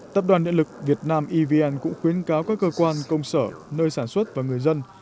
tập đoàn điện lực việt nam evn cũng khuyến cáo các cơ quan công sở nơi sản xuất và người dân